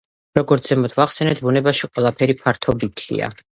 როგორც ზემოთ ვახსენეთ, ბუნებაში ყველაფერი ფარდობითია.